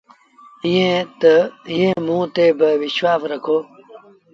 ايٚئيٚنٚ موٚنٚ تي با وشوآس رکو۔